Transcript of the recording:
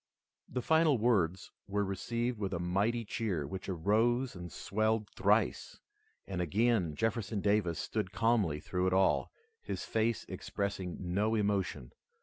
The final words were received with a mighty cheer which rose and swelled thrice, and again. Jefferson Davis stood calmly through it all, his face expressing no emotion.